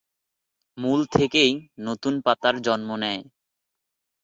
মূল থেকেই নতুন পাতার জন্ম নেয়।